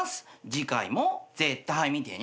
次回も絶対見てニャン。